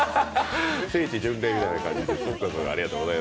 聖地巡礼みたいな感じで。